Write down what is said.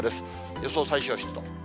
予想最小湿度。